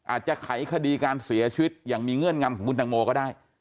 อาจจะไขคดีการเสียชีวิตอย่างมีเงื่อนงำของคุณตังโมก็ได้